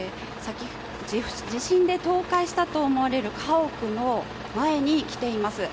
地震で倒壊したと思われる家屋の前に来ています。